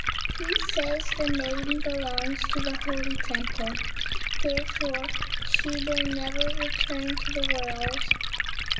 "He says the maiden belongs to the holy temple, therefore she will never return to the world.